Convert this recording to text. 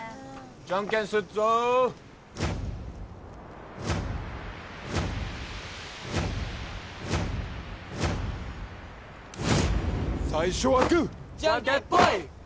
じゃんけんすっぞ最初はグーじゃんけんぽい！